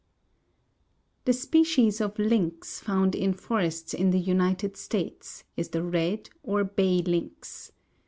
The species of lynx found in forests in the United States is the red or bay lynx.